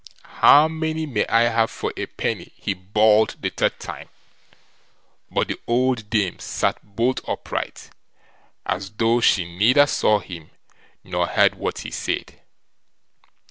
"How many may I have for a penny", he bawled the third time, but the old dame sat bolt upright, as though she neither saw him, nor heard what he said.